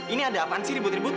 ini ada apaan sih ribut ribut